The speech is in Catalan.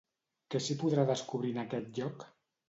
Què s'hi podrà descobrir en aquest lloc?